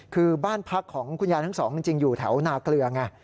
คือบ้านพักของคุณยายทั้งสองจริงอยู่แถวนาเกลือไง